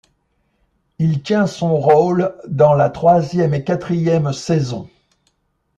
Il tient son rôle dans la troisième et quatrième saison.